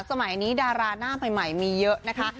สมัยนี้ดาราหน้าใหม่มีเยอะนะคะ